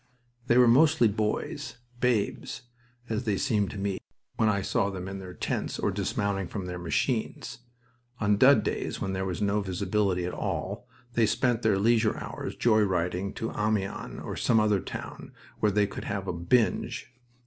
They were mostly boys babes, as they seemed to me, when I saw them in their tents or dismounting from their machines. On "dud" days, when there was no visibility at all, they spent their leisure hours joy riding to Amiens or some other town where they could have a "binge."